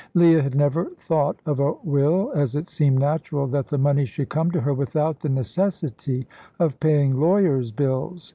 Leah had never thought of a will, as it seemed natural that the money should come to her without the necessity of paying lawyers' bills.